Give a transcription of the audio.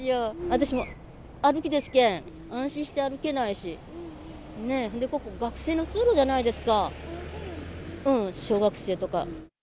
私も歩きですけん、安心して歩けないし、ここは学生の通路じゃないですか、小学生とか。